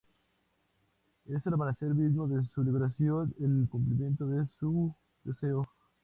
Es el amanecer mismo de su liberación, el cumplimiento de su deseo.